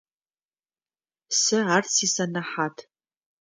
Сэ ар сисэнэхьат.